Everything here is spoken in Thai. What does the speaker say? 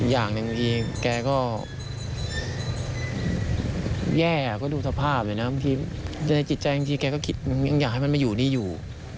อย่างหนึ่งเองแกก็แย่ก็ดูสภาพเลยนะบางทีในจิตใจจริงแกก็คิดยังอยากให้มันมาอยู่นี่อยู่